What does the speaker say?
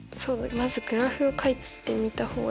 まずグラフをかいてみた方がいいかな。